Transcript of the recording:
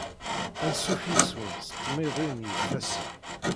Anṣuf yes-went s tmiḍi n yifassen.